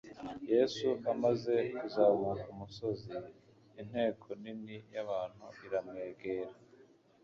Yesu amaze kuzamuka umusozi, inteko nini y'abantu iramwegera,